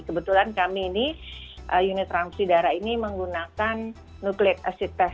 kebetulan kami ini unit transaksi darah ini menggunakan nukleotid